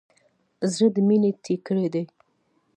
زړه د مینې ټیکری دی.